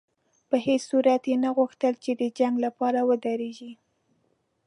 په هېڅ صورت یې نه غوښتل چې د جنګ لپاره ودرېږي.